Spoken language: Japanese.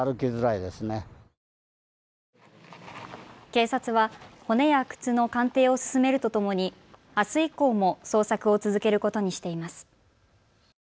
警察は骨や靴の鑑定を進めるとともに、あす以降も捜索を続けることにしています。